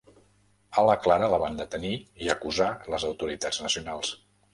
A la Clara la van detenir i acusar les autoritats nacionals.